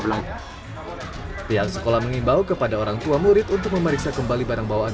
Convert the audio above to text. belajar yang sekolah mengimbau kepada orangtua murid untuk memeriksa kembali barang bawaan